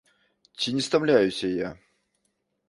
Ці не стамляюся я?